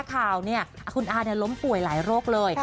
ข่าวเนี่ยคุณอาล้มป่วยหลายโรคเลย